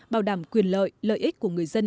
bảo đảm quyền lợi lợi ích của người dân